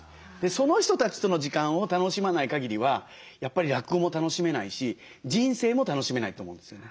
その人たちとの時間を楽しまないかぎりはやっぱり落語も楽しめないし人生も楽しめないと思うんですよね。